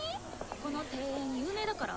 この定演有名だから。